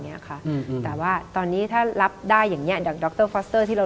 นี่ความหมายมันคือ